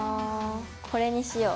これにしよう。